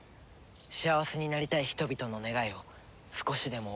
幸せになりたい人々の願いを少しでも応援するために。